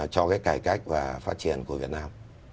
cho cái cải cách và phát triển của việt nam